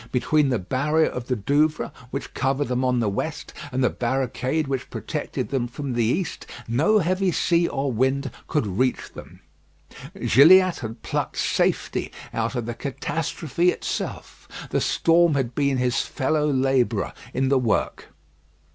Between the barrier of the Douvres, which covered them on the west, and the barricade which protected them from the east, no heavy sea or wind could reach them. Gilliatt had plucked safety out of the catastrophe itself. The storm had been his fellow labourer in the work.